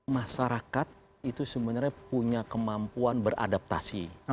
masyarakat itu sebenarnya punya kemampuan beradaptasi